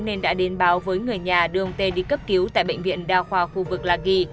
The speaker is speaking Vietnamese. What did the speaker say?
nên đã đến báo với người nhà đưa ông t đi cấp cứu tại bệnh viện đao khoa khu vực là kỳ